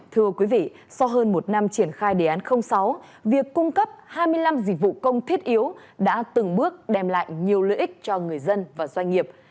thưa quý vị sau hơn một năm triển khai đề án sáu việc cung cấp hai mươi năm dịch vụ công thiết yếu đã từng bước đem lại nhiều lợi ích cho người dân và doanh nghiệp